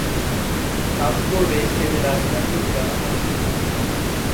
কারণ পূর্বে এ জেলা দিনাজপুর জেলার অংশ ছিল।